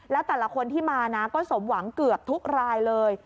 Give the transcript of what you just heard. แล้วแต่ละคนที่มานะก็สมหวังเกือบทุกรายเลย